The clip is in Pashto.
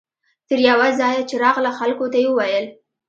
تر یوه ځایه چې راغله خلکو ته یې وویل.